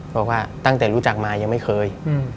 บอกว่าตั้งแต่รู้จักมายังไม่เคย